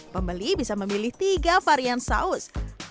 pembeli bisa memilih tiga varian saus